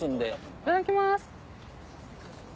いただきます。